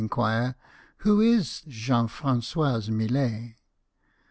inquire, " Who is Jean Fra^ois Millet